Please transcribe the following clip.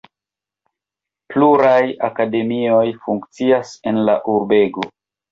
Pluraj akademioj funkcias en la urbego.